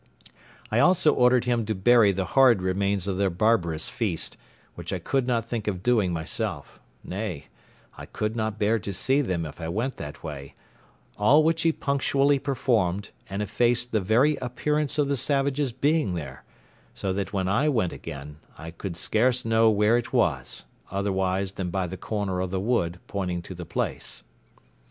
I also ordered him to bury the horrid remains of their barbarous feast, which I could not think of doing myself; nay, I could not bear to see them if I went that way; all which he punctually performed, and effaced the very appearance of the savages being there; so that when I went again, I could scarce know where it was, otherwise than by the corner of the wood pointing to the place.